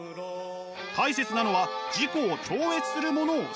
大切なのは「自己を超越するものを思考する」こと。